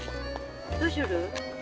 どうする？